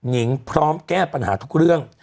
นิงพร้อมแก้ปัญหาทุกเรื่อง